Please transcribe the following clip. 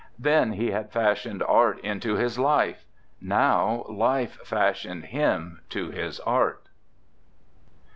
Then he had fashioned art into his life; now life fashioned him to his art.